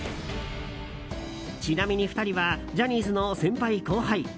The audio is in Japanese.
ちなみに２人はジャニーズの先輩後輩。